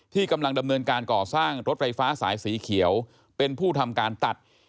กำลังดำเนินการก่อสร้างรถไฟฟ้าสายสีเขียวเป็นผู้ทำการตัด